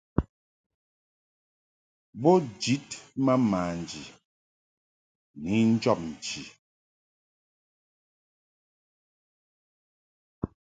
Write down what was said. Bo njid ma manji ni njɔb nchi.